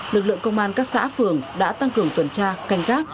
lực lượng công an các xã phường đã tăng cường tuần tra canh gác